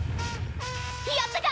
やったか！？